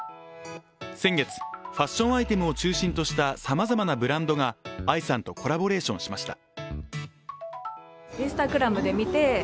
先月、ファッションアイテムを中心としたさまざまなブランドが、藍さんとコラボレーションしました。